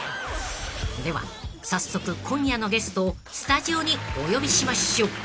［では早速今夜のゲストをスタジオにお呼びしましょう］